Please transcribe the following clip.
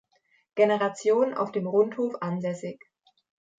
Generation auf dem Rundhof ansässig.